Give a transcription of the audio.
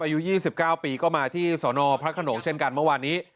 อายุ๒๙ปีก็มาที่สนพระขนงเช่นกันเมื่อวานนี้